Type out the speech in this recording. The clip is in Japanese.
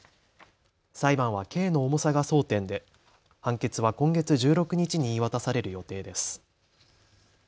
裁判は刑の重さが争点で判決は今月１６日に言い渡される予定です。